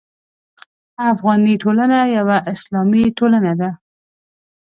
افغاني ټولنه یوه اسلامي ټولنه ده.